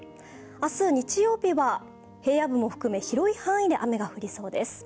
明日日曜日は平野部も含め広い範囲で雨が降りそうです。